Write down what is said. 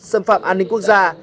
xâm phạm an ninh quốc gia